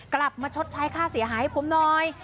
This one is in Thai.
กลับมาชดใช้ค่าเสียหายให้ผมหน่อย